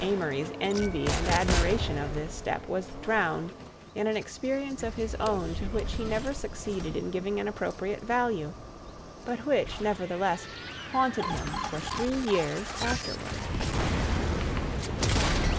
Amory's envy and admiration of this step was drowned in an experience of his own to which he never succeeded in giving an appropriate value, but which, nevertheless, haunted him for three years afterward.